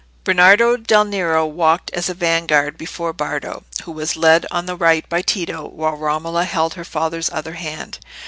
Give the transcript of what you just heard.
Bernardo del Nero walked as a vanguard before Bardo, who was led on the right by Tito, while Romola held her father's other hand.